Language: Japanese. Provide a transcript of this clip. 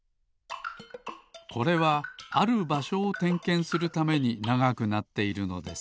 これはあるばしょをてんけんするためにながくなっているのです。